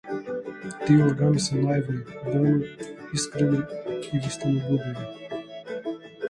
Тие органи се наивни, болно искрени и вистинољубиви.